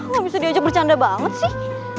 wah bisa diajak bercanda banget sih